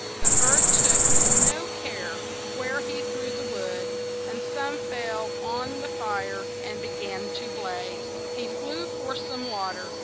The bird took no care where he threw the wood, and some fell on the fire and be gan to blaze. He flew for some wa ter.